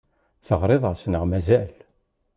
Teɣriḍ-as neɣ mazal?